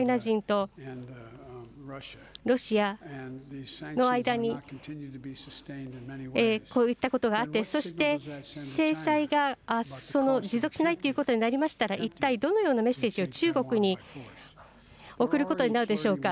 ウクライナ人とロシアの間にこういったことがあって、そして制裁が持続しないっていうことになりましたら、一体どのようなメッセージを中国に送ることになるでしょうか。